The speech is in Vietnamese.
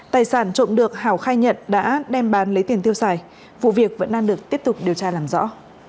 tài sản trộm được hảo khai nhận đã đem bán lấy tiền tiêu xài vụ việc vẫn đang được tiếp tục điều tra làm rõ